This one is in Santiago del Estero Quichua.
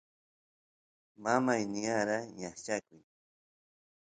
mamay niyara ñaqchakuy